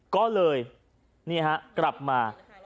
ก็เลยกลับมา